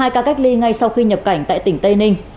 hai ca cách ly ngay sau khi nhập cảnh tại tỉnh tây ninh